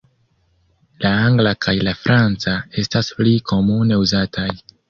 La angla kaj la franca estas pli komune uzataj.